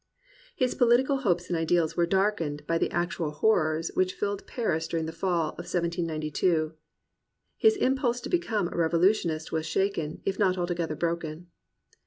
His political hopes and ideals were darkened by the actual horrors which filled Paris during the fall of 1792. His impulse to become a revolutionist was shaken, if not altogether broken.